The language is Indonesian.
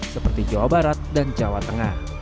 seperti jawa barat dan jawa tengah